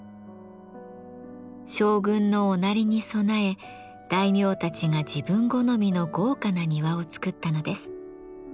将軍の御成に備え大名たちが自分好みの豪華な庭を作ったのです。